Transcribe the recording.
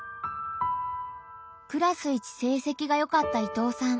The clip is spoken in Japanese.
クラス一成績がよかった伊藤さん。